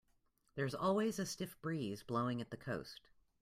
There's always a stiff breeze blowing at the coast.